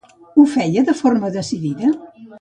Ho feia de forma decidida?